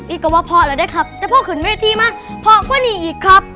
ก็ว่าพอแล้วได้ครับแต่พอขึ้นเวทีมาพ่อก็หนีอีกครับ